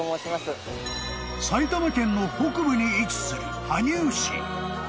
［埼玉県の北部に位置する］